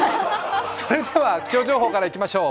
それでは、気象情報からいきましょう。